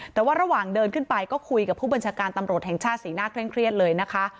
แต่ว่าระหว่างเดินขึ้นไปก็คุยกับผู้บัญชาการตำรวจแห่งชาติสีหน้าเคร่งเครียดเลยนะคะ